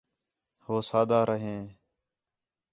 ہو سادا رھیں